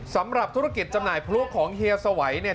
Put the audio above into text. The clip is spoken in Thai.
สำหรับธุรกิจจำหน่ายพลุของเฮียสวัยเนี่ย